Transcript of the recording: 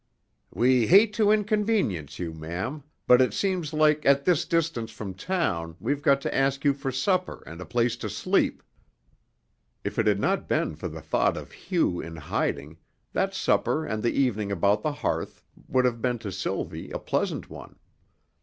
"We hate to inconvenience you, ma'am, but it seems like at this distance from town we've got to ask you for supper and a place to sleep." If it had not been for the thought of Hugh in hiding, that supper and the evening about the hearth would have been to Sylvie a pleasant one.